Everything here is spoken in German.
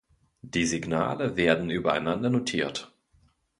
Die Signale werden übereinander notiert.